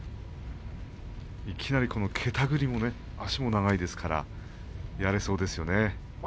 いきなりけたぐりも足も長いですからやりそうですよね。